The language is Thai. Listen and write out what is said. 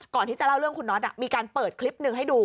ก่อนที่จะเล่าเรื่องคุณน็อตมีการเปิดคลิปหนึ่งให้ดู